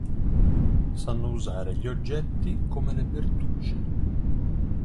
Sanno usare gli oggetti come le Bertucce.